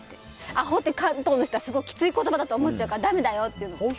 アホって関東の人はきつい言葉だから思っちゃうからだめだよって。